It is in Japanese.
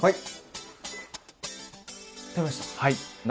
はい。